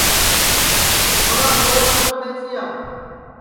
چھورا لھو لکڑ ٻئجیا